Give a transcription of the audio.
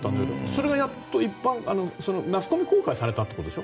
それがやっと、マスコミに公開されたってことでしょ？